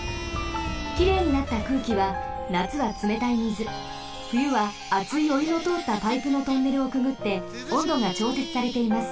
きれいになった空気はなつはつめたいみずふゆはあついおゆのとおったパイプのトンネルをくぐっておんどがちょうせつされています。